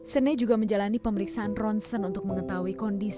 sene juga menjalani pemeriksaan ronsen untuk mengetahui kondisi